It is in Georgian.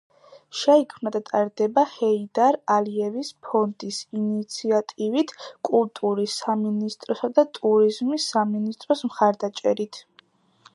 შეიქმნა და ტარდება ჰეიდარ ალიევის ფონდის ინიციატივით, კულტურის სამინისტროსა და ტურიზმის სამინისტროს მხარდაჭერით.